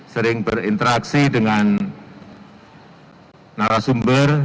sering berinteraksi dengan narasumber